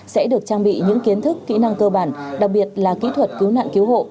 sẽ được trang bị những kiến thức kỹ năng cơ bản đặc biệt là kỹ thuật cứu nạn cứu hộ